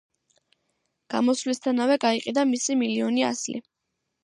გამოსვლისთანავე გაიყიდა მისი მილიონი ასლი.